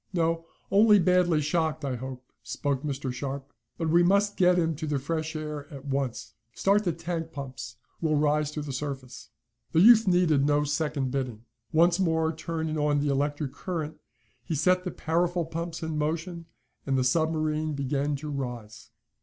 "No, only badly shocked, I hope," spoke Mr. Sharp. "But we must get him to the fresh air at once. Start the tank pumps. We'll rise to the surface." The youth needed no second bidding. Once more turning on the electric current, he set the powerful pumps in motion and the submarine began to rise.